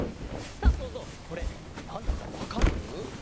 さあそうぞうこれなんだかわかる？